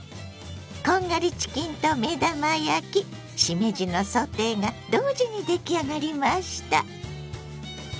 こんがりチキンと目玉焼きしめじのソテーが同時に出来上がりました。